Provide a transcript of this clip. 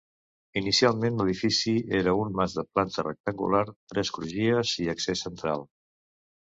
Inicialment l'edifici era un mas de planta rectangular, tres crugies i accés central.